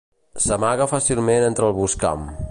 S'amaga fàcilment entre el boscam.